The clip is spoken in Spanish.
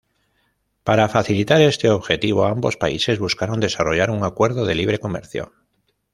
Para facilitar este objetivo, ambos países buscaron desarrollar un acuerdo de libre comercio.